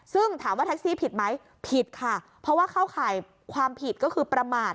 ซึ่งถามว่าแท็กซี่ผิดไหมผิดค่ะเพราะว่าเข้าข่ายความผิดก็คือประมาท